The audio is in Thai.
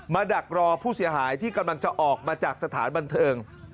ดักรอผู้เสียหายที่กำลังจะออกมาจากสถานบันเทิง